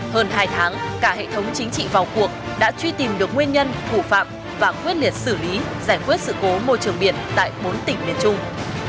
hơn hai tháng cả hệ thống chính trị vào cuộc đã truy tìm được nguyên nhân thủ phạm và quyết liệt xử lý giải quyết sự cố môi trường biển tại bốn tỉnh miền trung